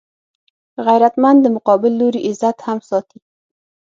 غیرتمند د مقابل لوري عزت هم ساتي